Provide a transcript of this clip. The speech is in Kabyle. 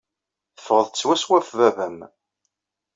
Teffɣeḍ-d swaswa ɣef baba-m.